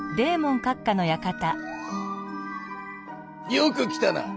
よく来たな！